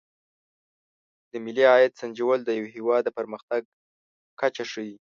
د ملي عاید سنجول د یو هېواد د پرمختګ کچه ښيي.